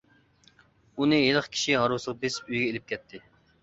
ئۇنى ھېلىقى كىشى ھارۋىسىغا بېسىپ ئۆيىگە ئېلىپ كەتتى.